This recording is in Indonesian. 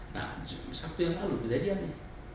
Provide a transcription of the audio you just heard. nah sabtu yang lalu kejadiannya